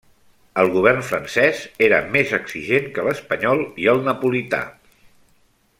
El govern francès era més exigent que l'espanyol i el napolità.